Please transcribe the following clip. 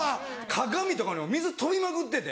鏡とかにも水飛びまくってて。